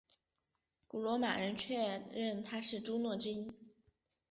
古罗马人确认她是朱诺之一。